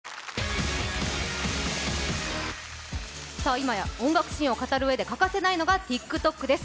今や音楽シーンを語る上で欠かせないのがＴｉｋＴｏｋです。